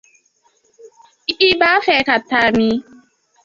I b’a fɛ ka taa min?